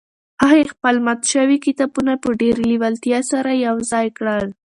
هغې خپل مات شوي کتابونه په ډېرې لېوالتیا سره یو ځای کړل.